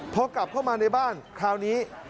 พอกลับเข้ามาในบ้านคราวนี้